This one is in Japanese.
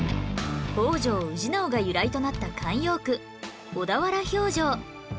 北条氏直が由来となった慣用句小田原評定